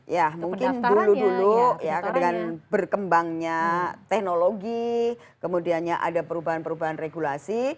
ya mungkin dulu dulu ya dengan berkembangnya teknologi kemudiannya ada perubahan perubahan regulasi